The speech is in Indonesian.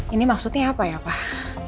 ini maksudnya apa ya pak